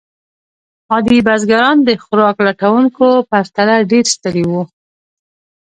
عادي بزګران د خوراک لټونکو پرتله ډېر ستړي وو.